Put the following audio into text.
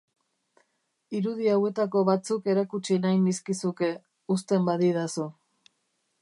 Irudi hauetako batzuk erakutsi nahi nizkizuke, uzten badidazu.